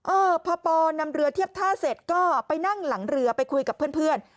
เออพอปอนำเรือเทียบท่าเสร็จก็ไปนั่งหลังเรือไปคุยกับเพื่อน